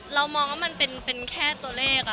เรามองว่ามันเป็นแค่ตัวเลข